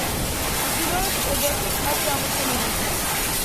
ჩრდილოეთ კედელში კარი ამოშენებულია.